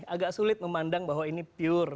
agak sulit memandang bahwa ini pure